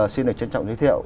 xin được trân trọng giới thiệu